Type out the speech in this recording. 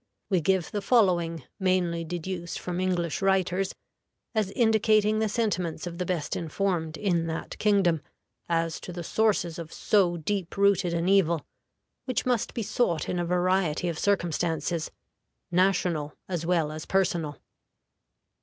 We give the following, mainly deduced from English writers, as indicating the sentiments of the best informed in that kingdom as to the sources of so deep rooted an evil, which must be sought in a variety of circumstances, national as well as personal.